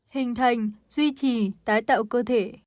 hình thành duy trì tái tạo cơ thể